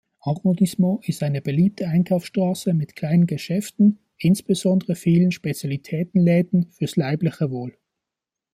Arrondissement ist eine beliebte Einkaufsstraße mit kleinen Geschäften, insbesondere vielen Spezialitäten-Läden fürs leibliche Wohl.